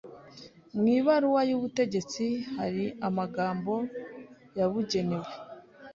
Mu ibaruwa y’ ubutegetsi hari amagambo yabugenewe